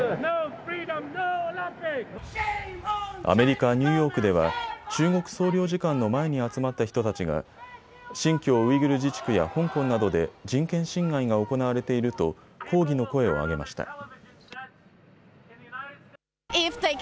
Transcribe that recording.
アメリカ・ニューヨークでは中国総領事館の前に集まった人たちが新疆ウイグル自治区や香港などで人権侵害が行われていると抗議の声を上げました。